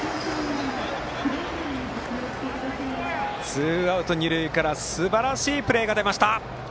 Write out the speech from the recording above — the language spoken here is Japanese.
ツーアウト二塁からすばらしいプレーが出ました。